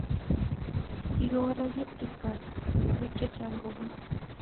Kikowalakis kipkaa nebo bik chechang kobun